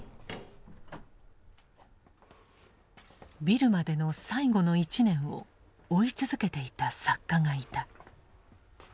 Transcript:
ビルマでの最後の１年を追い続けていた作家がいた。